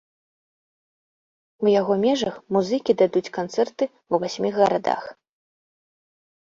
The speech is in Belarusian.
У яго межах музыкі дадуць канцэрты ў васьмі гарадах.